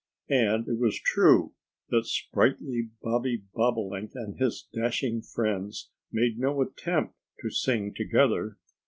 And it was true that sprightly Bobby Bobolink and his dashing friends made no attempt to sing together.